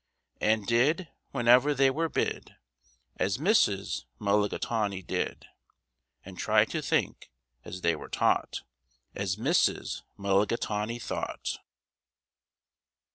And did, whenever they were bid, As Mrs. Mulligatawny did, And tried to think, as they were taught, As Mrs. Mulligatawny thought.